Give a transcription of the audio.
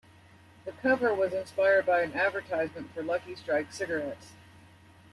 The cover was inspired by an advertisement for Lucky Strike cigarettes.